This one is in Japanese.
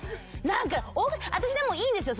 何かでもいいんですよ。